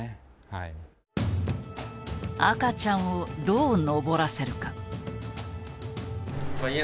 赤ちゃんをどう登らせるか。